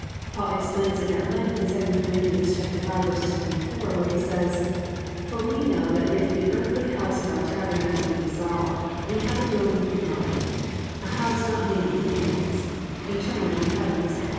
Paul explains it at length in 2 Cor. 5:1 4 where he says, +"For we know that if the earthly house of our tabernacle be dissolved, we have a building from God, a house not made with hands, eternal, in the heavens.